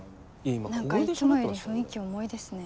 何かいつもより雰囲気重いですね。